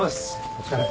お疲れ。